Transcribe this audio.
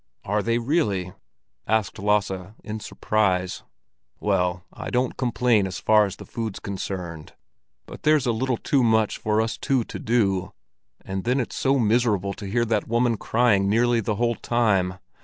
"Are they really?" asked Lasse, in surprise. "Well, I don't complain as far as the food's concerned; but there's a little too much for us two to do, and then it's so miserable to hear that woman crying nearly the whole time.